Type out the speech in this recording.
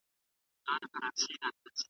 خاوند او ميرمن بايد يو د بل عادات تشخيص کړي.